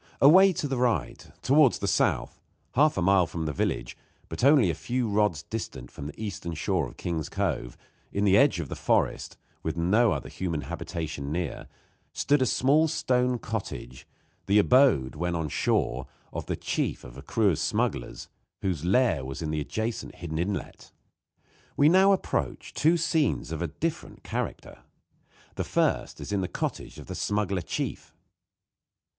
Away to the right, towards the south, half a mile from the village, but only a few rods distant from the eastern shore of Kings' Cove, in the edge of the forest, with no other human habitation near, stood a small stone cottage, the abode, when on shore, of the chief of a crew of smugglers, whose lair was in the adjacent hidden inlet. We now approach two scenes of a different character. The first is in the cottage of the smuggler chief.